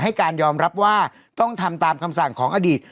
ให้การยอมรับว่าต้องทำตามคำสั่งของอดีต